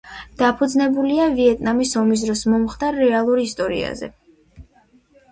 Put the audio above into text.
დაფუძნებულია ვიეტნამის ომის დროს მომხდარ რეალურ ისტორიაზე.